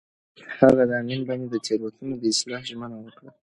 هغه د امین بانډ د تېروتنو د اصلاح ژمنه وکړه.